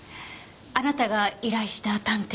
あなたが依頼した探偵が。